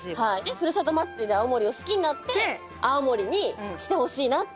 ふるさと祭りで青森を好きになって青森に来てほしいなって。